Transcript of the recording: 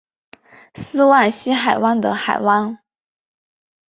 斯旺西海湾的海湾。